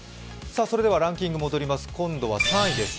それではランキング戻ります、今度は３位です。